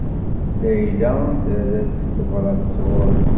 Layla terra-d s tebṛat sɣur-s.